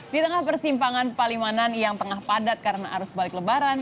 di tengah persimpangan palimanan yang tengah padat karena arus balik lebaran